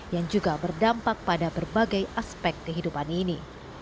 yang juga berdampak pada berbagai aspek kehidupan ini